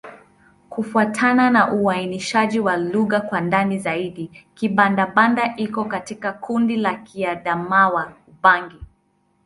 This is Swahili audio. Kufuatana na uainishaji wa lugha kwa ndani zaidi, Kibanda-Banda iko katika kundi la Kiadamawa-Ubangi.